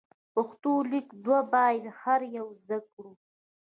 پښتو لیک دود باید هر یو زده کړو.